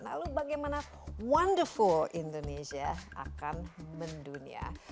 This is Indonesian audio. lalu bagaimana wonderful indonesia akan mendunia